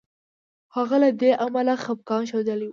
هغه له دې امله خپګان ښودلی وو.